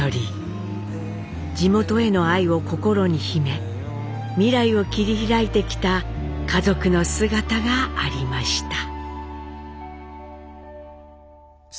地元への愛を心に秘め未来を切り開いてきた家族の姿がありました。